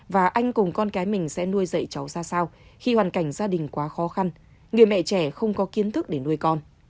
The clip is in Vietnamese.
và anh cùng con cái mình sẽ nuôi dạy cháu ra sao khi hoàn cảnh gia đình quá khó khăn người mẹ trẻ không có kiến thức để nuôi con